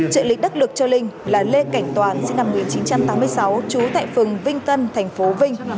trợ lý đắc lực cho linh là lê cảnh toàn sinh năm một nghìn chín trăm tám mươi sáu trú tại phường vinh tân thành phố vinh